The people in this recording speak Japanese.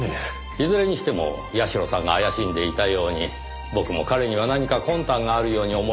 いずれにしても社さんが怪しんでいたように僕も彼には何か魂胆があるように思いますねぇ。